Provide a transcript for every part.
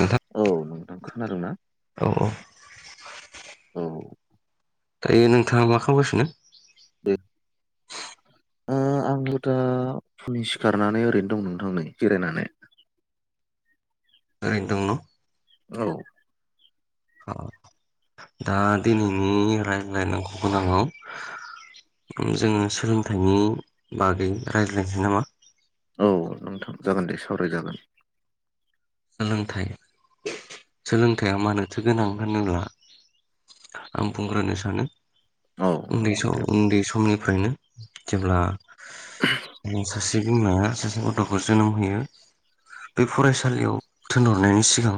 नोंथां औ नोंथां खोनादोंना औ औ औ दायो नोंथाङा मा खालामगासिनो? दे [inaudible] आंबो दा फुंनि सिखारनानै ओरैनो दं नोंथां नै जिरायनानै ओरैनो दं न' औ अ दा दिनैनि रायज्लायनांगौ गोनाङाव जोङो सोलोंथाइनि बागै रायज्लायनोसै नामा? औ औ नोंथां जागोन दे सावराय जागोन। सोलोंथाइ सोलोंथाइया मानोथो गोनां होनोब्ला आं बुंग्रोनो सानो। औ उन्दै नंगौ सम दे उन्दै समनिफ्रायनो जेब्ला आ सासे बिमाया सासे गथ'खौ जोनोम होयो बे फरायसालियाव थिनहरनायनि सिगां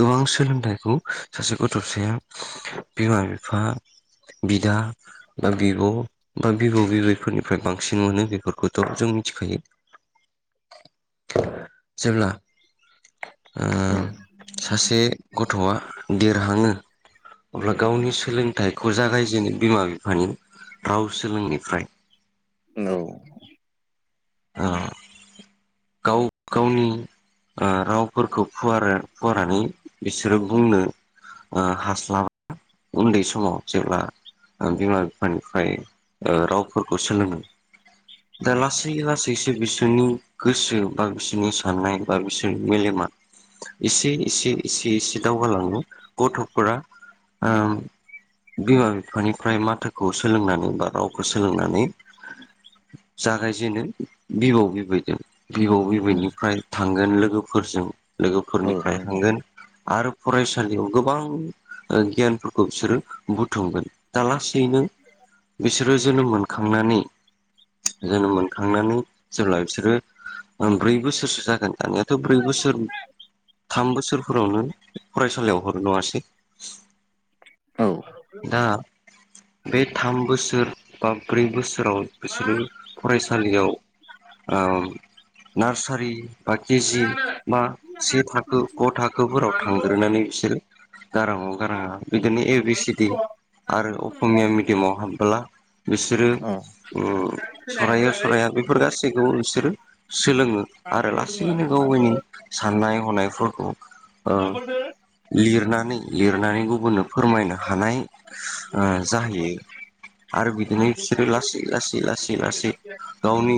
गोबां सोलोंथाइखौ सासे गथ' फिसाया बिमा बिफा बिदा बा बिब' बा बिब' बिबैफोरनिफ्राय बांसिन मोनो बेफोरखौथ' जों मिथिखायो जोंना ओ उम सासे गथ'आ देरहाङो अब्ला गावनि सोलोंथाइखौ जागायजेनो बिमा बिफानि राव सोलोंनिफ्राय औ आ गाव गावनि ओ रावफोरखौ फुवार फुवारनानै बिसोरो बुंनो ओ हास्लाबा उन्दै समाव जेब्ला ओ बिमा बिफानिफ्राय ओ रावफोरखौ सोलोङो दा ला सैसो बिसोरनि गोसो बा बिसोरनि साननाय बा बिसोरनि मेलेमा एसे एसे एसे एसे दावगालाङो गथ'फोरा ओ बिमा बिफानिफ्राय माथोखौ सोलोंनानै बा रावखौ सोलोंनानै जागायजेनो बिबौ बिबैदों बिबौ उम बिबैनिफ्राय थांगोन लोगोफोरजों औ लोगोफोरनिफ्राय नंगौ थांगोन आरो फरायसालियाव गोबां ओ गियानफोरखौ बिसोरो बुथुमगोन दा लासै नों बिसोरो जोनोम मोनखांनानै जोनोम मोन थांनानै जेब्ला बिसोरो ओ ब्रै बोसोरसो जागोन दानियाथ' ब्रै बोसोर थाम बोसोरफोरावनो फरायसालियाव हरो नङासै? औ दा बे थाम बोसोर बा ब्रै बोसोराव बिसोरो फरायसालियाव ओ नार्सारि बा केजि बा से थाखो ग थाखोफोराव थांग्रोनानै बिसोरो गाराङाव गाराङा बेदिनो ए बि सि डि [inaudible] आरो असमिया मिडियामाव हाबबोला बिसोरो‌ औ ओ सराय' सराया बेफोर गासैखौबो नोंसोरो सोलोङो आरो लासैनो गाव गावनि साननाय हनायफोरखौ ओ [unintelligible] लिरनानै लिरनानै गुबुननो फोरमायनो हानाय ओ जाहैयो आरो बिदिनो बिसोरो लासै लासै लासै लासै गावनि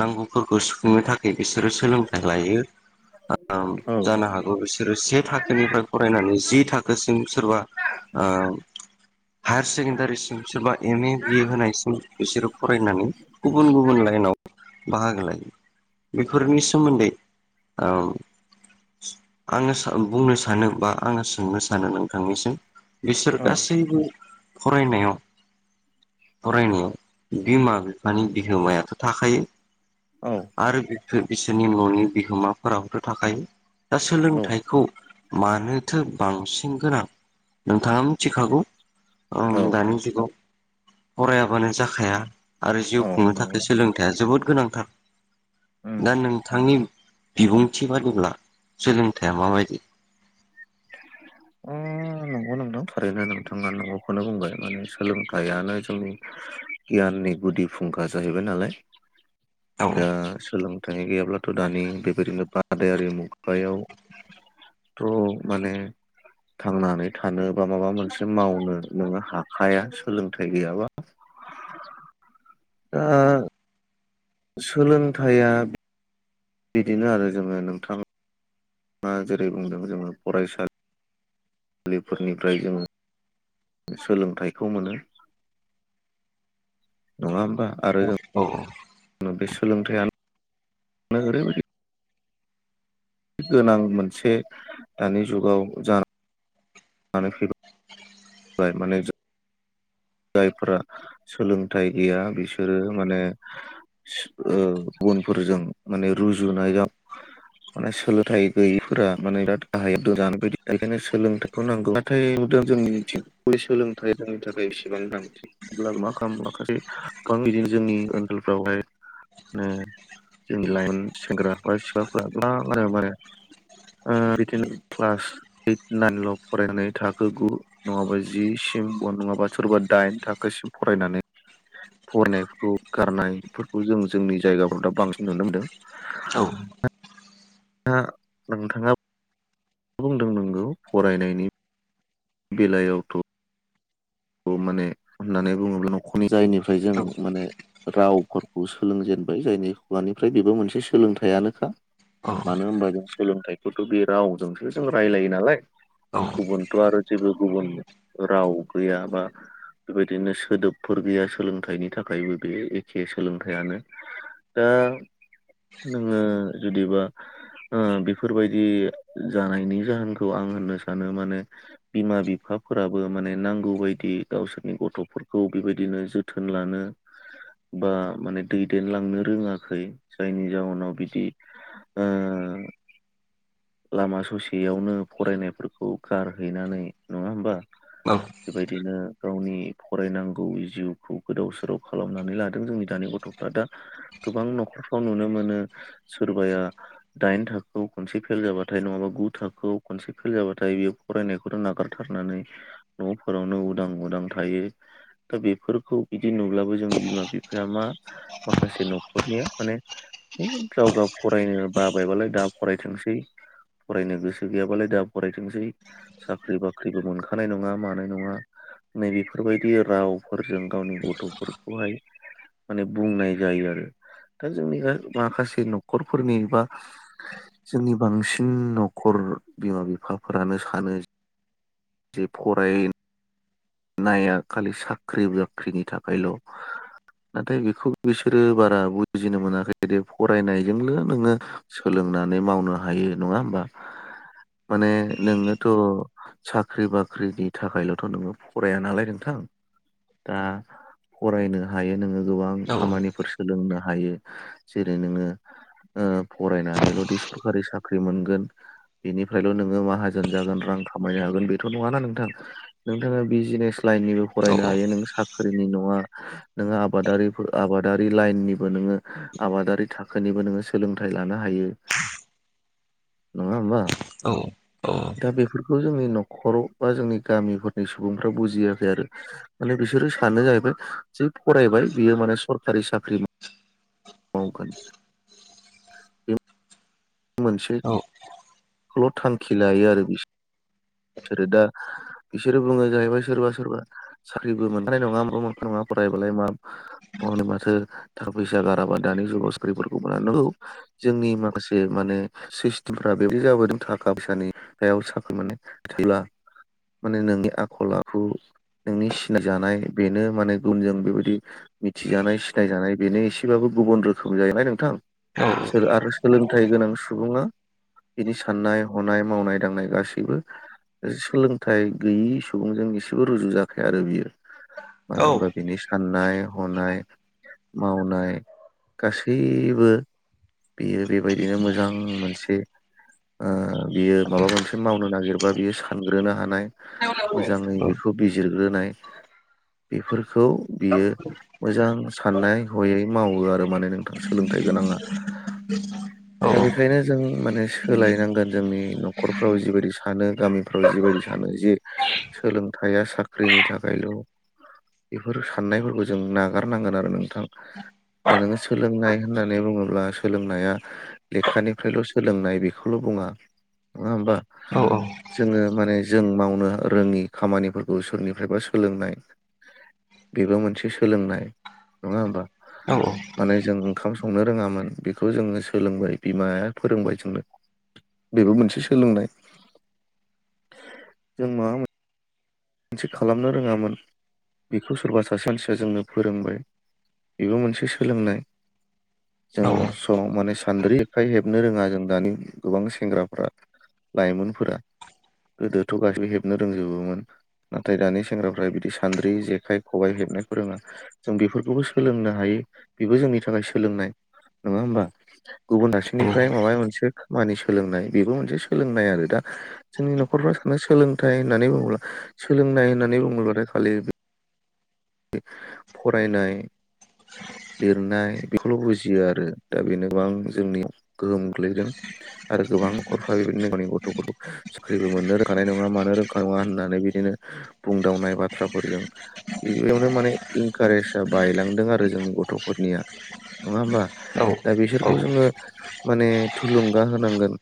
नांगौफोरखौ सुफुंनो थाखाय बिसोरो सोलोंथाइ लायो आम औ जानो हागौ बिसोरो से थाखोनिफ्राय फरायनानै जि थाखोसिम सोरबा ओ हायार सेकेण्डारिसिम सोरबा एम ए बिए होनायसिम बिसोरो फरायनानै गुबुन गुबुन लाइ लाइनाव बाहागो लायो बेफोरनि सोमोन्दै ओ आङो सा बुंनो सानो बा आङो सोंनो सानो नोंथांनिसिम बिसोर औ गासैबो फरायनायाव फरायनायाव बिमा बिफानि बिहोमायाथ' थाखायो औ आरो बिफो बिसोरनि न'नि बिहोमाफोराबोथ' थाखायो दा औ सोलोंथाइखौ मानोथो बांसिन गोनां? नोंथाङा मिथिखागौ ओ औ दानि जुगाव फरायाबानो जाखाया आरो जिउ औ खुंनो नंगौ थाखाय सोलोंथायाइया जोबोद गोनांथार उम दा नोंथांनि बिबुंथि बादिब्ला सोलोंथाइया माबायदि? [inaudible] उम नंगौ नोंदों थारैनो नोंथाङा नंगौखौनो बुंबाय माने सोलोंथाइयानो जोंनि गियान नि गुदि फुंखा जाहैबाय नालाय [inaudible] दा सोलोंथाइ गैयाब्लाथ' दानि बेबायदिनो बा बादायारि मुगायाव थ' माने [inaudible] थांनानै थानो बा माबा मोनसे मावनो नोङो हाखाया सोलोंथाइ गैयाबा। [inaudible] सोलोंथाइया बिदिनो आरो जोङो नोंथां ङा जेरै बुंदों जोङो फरायसालि लिफोरनिफ्राय जोङो सोलोंथाइखौ मोनो। नङा होम औ औ औ। बे सोलोंथाइआ [inaudible] ने ओरैबायदि गोनां मोनसे दानि जुगाव जा [unintelligible] जायफ्रा सोलोंथाइ गैया बिसोरो माने ओ गुबुनफोरजों माने रुजुनायाव माने सोलोंथाय गैयैफोरा माने बिराद [unintelligible] [unintelligible] गोबां बिदिनो जोंनि ओनसोलफ्रावहाय ओ जोंनि लाइमोन सेंग्रा बा सिख्लाफोरा [unintelligible] ओ बिदिनो क्लास ओइट नाइनल' फरायनानै थाखो गु नङाबा जि सिम नङाबा सोरबा दाइन थाखोसिम फरायनानै फरायनायफोरखौ गारनायफोरखौ जों जोंनि जायगाफ्राव दा बांसिन नुनो मोनदों। [inaudible] दा नोंथाङा बुंदों नंगौ फरायनायनि बेलायावथ' माने होननानै बुङोब्ला न'खरनि जायनिफ्राय जों माने रावफोरखौ सोलोंजेनबाय जायनि खुगानिफ्राय बेबो मोनसे सोलोंथाइयानोखा। औ मानो होनबा जों सोलोंथाइखौथ' बे रावजोंसो जों रायलायो नालाय। औ गुबुनथ' आरो जेबो गुबुन राव गैया बा बेबायदिनो सोदोबफोर गैया सोलोंथाइनि थाखायबो बे एखे सोलोंथाइयानो। दा नोङो जुदिबा ओ बेफोरबायदि जानायनि जाहोनखौ आं होननो सानो माने बिमा बिफा फोराबो माने नांगौ बायदि गावसोरनि गथ'फोरखौ बेबायदिनो जोथोन लानो बा माने दैदेनलांनो रोङाखै। जायनि जाउनाव बिदि ओ लामा ससेयावनो फरायनायफोरखौ गारहैनानै नङा होमबा। औ। बेबायदिनो गावनि फरायनांगौ जिउखौ गोदाव सोराव खालामनानै लादों जोंनि दानि गथ' फोरा दा। गोबां न'खरफ्राव नुनो मोनो सोरबाया दाइन थाखोआव खनसे फेल जाबाथाय नङाबा गु थाखोआव खनसे फेल जाबाथाय बेयो फरायनायखौनो नागारथारनानै न'फोरावनो उदां उदां थायो। दा बेफोरखौ बिदि नुब्लाबो जोंनि बिमा बिफाया मा माखासे न'खरनिया माने है गावगाव फरायनो बाबायबालाय दा फरायथोंसै। फरायनो गोसो गैयाबालाय दा फरायथोंसै, साख्रि बाख्रिबो मोनखानाय नङा मा नाय नङा नै बेेफोरबायदि रावफोरजों गावनि गथ'फोरखौहाय माने बुंनाय जायो आरो। दा जोंनि माखासे न'खरफोरनि बा जोंनि बांसिन न'खर बिमा बिफाफोरानो सानो जे फराय नाया खालि साख्रि बाख्रिनि थाखायल'। नाथाय बेखौ बिसोरो बारा बुजिनो मोनाखैदि फरायनायजोंनो नोङो सोलों नानै मावनो हायो नङा होमबा? [inaudible] माने नोंनोथ' साख्रि बाख्रि फराया नालाय नोंथां दा गोबां औ खामानिफोर सोलोंनो हायो जेरै नोङो ओ फरायनानैल'दि सरखारि साख्रि मोनगोन बेनिफ्रायल' नोङो खामायनो हागोन बेथ' नङा ना नोंथां। नोंथाङा बि जिनेस लाइननिबो औ फरायनो हायो नों साख्रिनि न' [inaudible] नोङो आबादारिफोर आबादारि लाइननिबो नोङो आबादारि थाखोनिबो नोङो सोलोंथाइ लानो हायो। [inaudible] नंङा होमबा औ औ दा बेफोरखौ जोंनि न'खराव बा जोंनि गामिफोरनि सुबुं फोरा बुजियाखै आरो माने बिसोरो सानो जाहैबाय जे फरायबाय बियो माने सरकारि साख्रि [inaudible] मावगोन बे मोनसे औ हल' थांखि लायो आरो बिसोर बिसोरो दा बिसोरो बुंङो जाहैबाय सोरबा सोरबा साख्रिबो मोनखानाय नंङा फरायबालाय मा मनो माथो थाखा फैसा गाराबा दानि जुगाव सख्रिफोरखौ मोननांगौ जोंनि माखासे जे माने सिस्टेमफ बेबो जाबोदों थाखा फैसानि सायाव साखा माने थैब्ला माने नोंनि आखल आखु नोंनि सिनायजानाय बेनो माने गुनजों बेबायदि मिथिजानाय सिनायजानाय बेनो एसेबाबो गुबुन रोखोम जाहाय नोंथां आरो सोलोंथाइ गोनां सुबुंङा बिनि साननाय हनाय मावनाय दांनाय गासैबो सोलोंथाइ गैयि सुबुंजों एसेबो रुजु जाखाया आरो बियो मानो औ होनबा बिनि साननाय हनाय मावनाय गासैबो बियो बेबायदिनो मोजां मोनसे आ बियो माबा मोनसे मावनो नागिरबा बियो सानग्रोनो हानाय मोजांङै बेखौ बिजिरग्रोनाय बेफोरखौ बियो मोजां साननाय हयै मावो आरो माने नोंथांङा सोलोंथाइ गोनाङा दा बेखायनो जों माने सोलायनांगोन जोंनि न'खरफ्राव जिबायदि सानो गामिफ्राव जि बायदि दि सानो जे सोलोंथाइया साख्रिनि थाखायल' बेफोर साननायफोरखौ जों नागारनांगोन आरो नोंथां दा नोंङो सोलोंनाय होननानै बुंङोब्ला सोलोंनाया लेखानिफ्रायल' सोलोंनाय बेखौल' बुंङा नंङा होमबा औ जोंङो माने जों मावनो रोंङि खामानिफोरखौ सोरनिफ्रायबा सोलोंनाय बेबो मोनसे सोलोंनाय नंङा होमबा औ औ माने जों ओंखाम संनो रोंङामोन बेखौ जोंङो सोलोंबाय बिमाया फोरोंबाय जोंनो बेबो मोनसे सोलोंनाय जों माबा मोनसे थिग खालामनो रोंङामोन बेखौ सोरबा सासे मानसिया जोंनो फोरोंबाय बेबो मोनसे सोलोंनाय जों औ औ सम माने सान्द्रि एखाय हेबनो रोंङा जों दानि गोबां सेंग्राफोरा लाइमोनफोरा गोदोथ' गाैबो हेबनो रोंजोबोमोन नाथाय दानि सेंग्राफ्रा बिदि सान्द्रि जेखाइ खबाइ हेबनायखौ रोंङा जों बेफोरखौबो सोलोंनो हायो। बेबो जोंनि थाखाय सोलोंनाय नंङा होमबा गुबुन दारसिनिफ्राय माबा मोनसे मानि सोलोंनाय बेबो मोनसे सोलोंनाय आरो दा जोंनि न'खरफ्रा सानो सोलोंथाइ होननानै बुंङोब्ला सोलोंनाय होननानै बुंङोब्लाथाय खालि फरायनाय लिरनाय बेखौल' बुजियो आरो दा बेनोबां जोंनियाव गोहोम गोग्लैदों आरो गोबां न'खरफ्रा बेबायदिनो गावनि गथ'फोरखौ साख्रिबो मोननो रोंखानाय नङा मानो रोंखा नंङा होननानै बिदिनो बुंदावनाय बाथ्राफोरजों बेयावनो माने इनकारेजआ बायलांदों आरो जोंनि गथ'फोरनिया नङा होमबा दा औ बिसोरखौ जोंङो माने थुलुंगा होनांगोन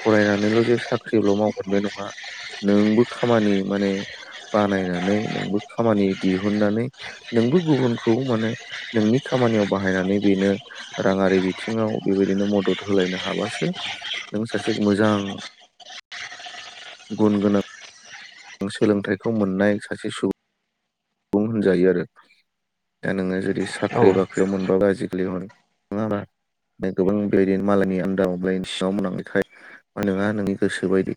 फरायनानैल' जे साख्रिल' मावगोन बे नङा नोंबो खामानि माने बानायनानै नोंबो खामानि दिहुननानै नोंबो गुबुनखौ माने नोंनि खामानियाव बाहायनानै बेनो रां हारि बिथिंङाव बेबायदिनो मदद होलायनो हाबासो नों सासे मोजां [inaudible] गुनगोनां सोलोंथाइखौ मोननाय सासे सुबुं बुंजायो आरो दा नोङो जुदि साख्रि बाख्रि मोनबा आजिखालि हर [unintelligible] बे गोबां बेदिनो मालायनि आन्दाराबाय सिङाव [unintelligible] ओ नोङा नोंनि गोसो बायदि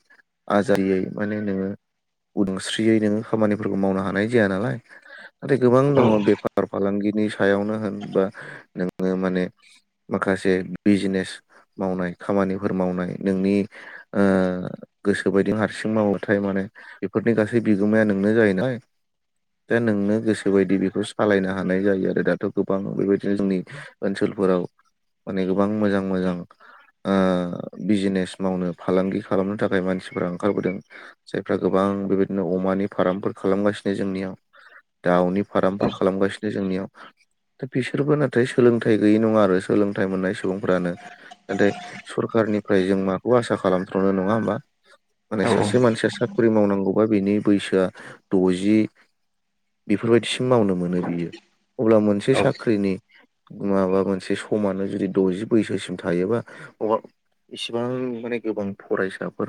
आजायै माने नोङो उदांस्रियै नोङो खामानिफोरखौ मावनो हानाय जाया नालाय नाथाय गोबां औ दङ बेफार फालांगि नि सायावनो होन बा नोङो माने माखासे बिजनेस मावनाय खामानिफोर मावनाय नोंनि ओ गोसोबायदि हारसिं मावबाथाय माने बेफोरनि गासै बिगोमाया नोंनो जायो नालाय दा नोंनो गोसोबायदि बेखौ सालायनो हानाय जायो आरो दाथ' गोबां बेबायदिनो जोंनि ओनसोल फोराव माने गोबां मोजां मोजां ओ बिजनेस मावनो फालांगि खालामनो थाखाय मानसिफोरा ओंखारबोदों फ्रा गोबां बेबायदिनो अमानि फार्मफोर खालामगासिनो जोंनियाव दाउनि औ फारामफोर खालामगासिनो जोंनियाव [inaudible] दा बिसोरबो नाथाय सोलोंथाइ गैयि नङा आरो सोलोंथाइ मोननाय सुबुंफ्रानो नाथाय सरखार निफ्राय जों माखौ आसा खालामथ्र'नो नङा होमबा माने औ सासे मानसिया सा ख्रि मावनांगौबा बेनि बैसोआ द'जि बेफोरबायदिसिम मावनो मोनो बियो अब्ला मोनसे साख्रिनि माबा मोनसे समानो जुदि द'जि बैसोसिम थायोबा अब्ला इसिबां माने गोबां फरायसाफोर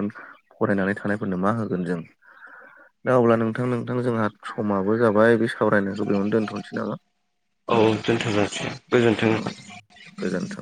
फरायनानै थानायफोरनो मा होगोन जों दा अब्ला नोंथां नोंथां जोंहा समाबो जाबाय बे सावरायनायखौ बेयावनो दोनथ'नोसै नामा? औ दोनथ' जासिगोन औ गोजोन्थों गोजोन्थों